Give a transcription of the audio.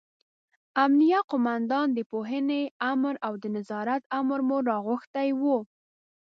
امینه قوماندان، د پوهنې امر او د نظارت امر مو راغوښتي وو.